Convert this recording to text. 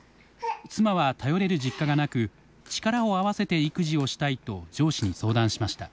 妻は頼れる実家がなく力を合わせて育児をしたいと上司に相談しました。